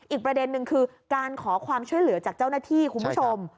อีกประเด็นนึงคือการขอความช่วยเหลือจากเจ้าหน้าที่คุณผู้ชม